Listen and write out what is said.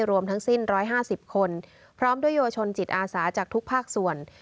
รวมทั้งสิ้น๑๕๐คนพร้อมด้วยเยาวชนจิตอาสาจากทุกภาคส่วน